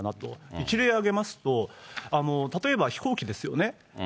一例を挙げますと、例えば飛行機ですよね。